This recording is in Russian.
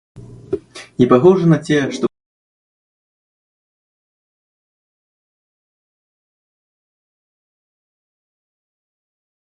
не похожи на те, что бороздят земные моря, у них нет парусов, весел или